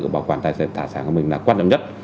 bảo quản tài sản của mình là quan trọng nhất